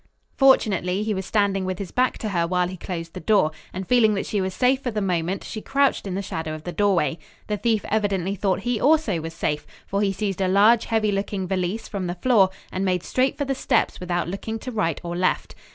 Fortunately he was standing with his back to her while he closed the door, and feeling that she was safe for the moment, she crouched in the shadow of the doorway. The thief evidently thought he also was safe, for he seized a large, heavy looking valise from the floor and made straight for the steps without looking to right or left.